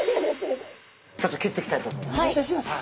ちょっと切っていきたいと思います。